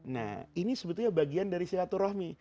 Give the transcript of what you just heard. nah ini sebetulnya bagian dari silaturahmi